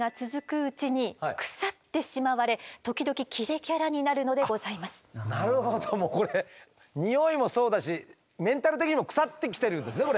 ヴィラン様はなるほどこれにおいもそうだしメンタル的にもクサってきてるんですねこれ。